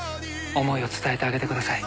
「思いを伝えてあげてください」